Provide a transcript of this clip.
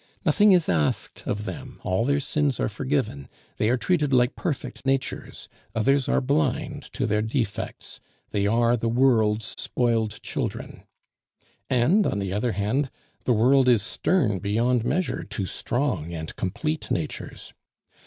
Nothing is asked of them, all their sins are forgiven; they are treated like perfect natures, others are blind to their defects, they are the world's spoiled children. And, on the other hand, the world is stern beyond measure to strong and complete natures.